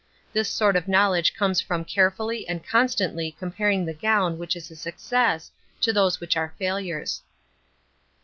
This sort of knowledge comes from carefully and constantly comparing the gown which is a success with those which are failures.